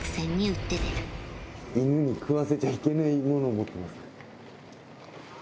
犬に食わせちゃいけないものを持ってますね。